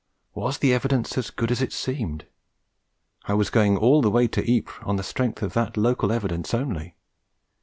Was the evidence as good as it seemed? I was going all the way to Ypres on the strength of that local evidence only.